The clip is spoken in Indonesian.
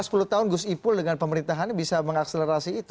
apakah sepuluh tahun gus ipul dan pemerintah hanya bisa mengakselerasi itu